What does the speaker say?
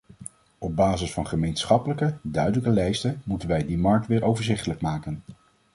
Op basis van gemeenschappelijke, duidelijke lijsten moeten wij die markt weer overzichtelijk maken.